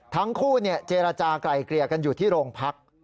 ทั้งคู่เจรจากลายเกลี่ยกันอยู่ที่โรงพัก